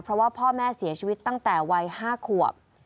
เพราะว่าพ่อแม่เสียชีวิตตั้งแต่วัย๕ขวบ